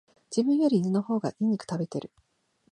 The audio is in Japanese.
自分より犬の方が良い肉食べてる